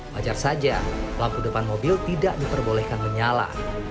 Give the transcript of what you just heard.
wajar saja lampu depan mobil tidak diperbolehkan menyala